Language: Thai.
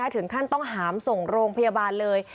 ถึงขั้นต้องหามส่งโรงพยาบาลเลย